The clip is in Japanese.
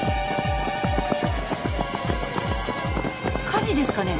火事ですかね？